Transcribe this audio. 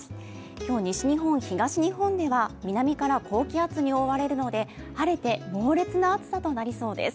今日西日本、東日本では南から高気圧に覆われるので晴れて猛烈な暑さとなりそうです。